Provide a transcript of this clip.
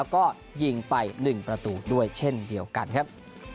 ก็ยิงไป๑ประตูด้วยเช่นเดียวกันครับ